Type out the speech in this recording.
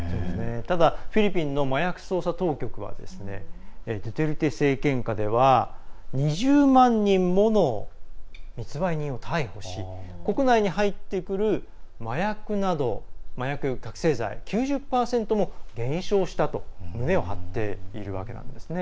ただ、フィリピンの麻薬捜査当局はドゥテルテ政権下では２０万人もの密売人を逮捕し国内に入ってくる麻薬や覚醒剤９０％も減少したと胸を張っているわけなんですね。